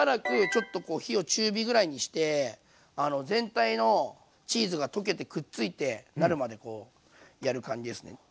ちょっとこう火を中火ぐらいにして全体のチーズが溶けてくっついてなるまでこうやる感じですね。